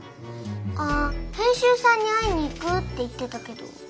ああ編集さんに会いに行くって言ってたけど。